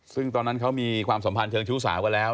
ซึ่งตอนนั้นเขามีความสัมพันธ์เชิงชู้สาวกันแล้ว